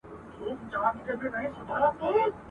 چي پر زړه یې د مرګ ستني څرخېدلې !.